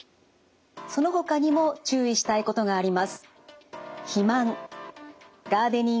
そのほかにも注意したいことがあります。